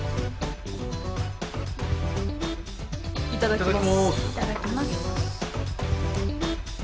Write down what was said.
いただきます。